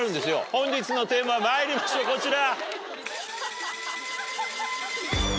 本日のテーマまいりましょうこちら！